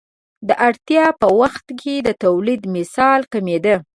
د اړتیا په وخت کې تولیدمثل کمېده.